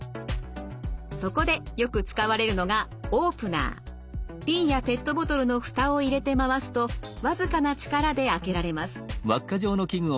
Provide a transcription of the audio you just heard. そこでよく使われるのが瓶やペットボトルの蓋を入れて回すと僅かな力で開けられます。